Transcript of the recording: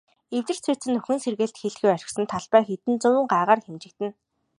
Эвдэрч сүйдсэн, нөхөн сэргээлт хийлгүй орхисон талбай хэдэн зуун гагаар хэмжигдэнэ.